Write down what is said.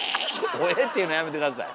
オェェって言うのやめて下さい。